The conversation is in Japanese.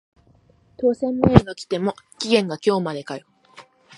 当選メール来ても期限が今日までかよ